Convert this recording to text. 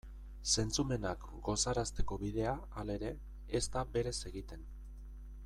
Zentzumenak gozarazteko bidea, halere, ez da berez egiten.